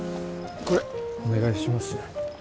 これお願いしますね。